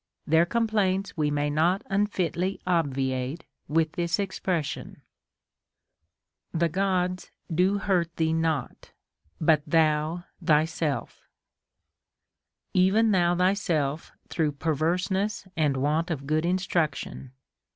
Their complaints we may not unfitly obviate with this expression, — The Gods do Imrt thee not, but thou thyself, — even thou thyself through perverseness and want of good instruction.